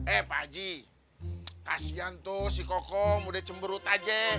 eh pak haji kasian tuh si kokom udah cemberut aja